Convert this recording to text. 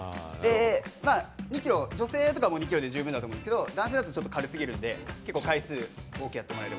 女性とかも２ｋｇで十分だと思うんですけど男性だと軽すぎるので結構、回数多くやってもらえれば。